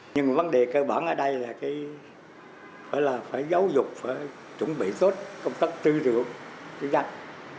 nhưng vấn đề cơ bản ở đây là phải giáo dục phải chuẩn bị tốt công tắc tư dụng tư giách